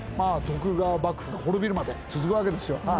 徳川幕府が滅びるまで続くわけですよ。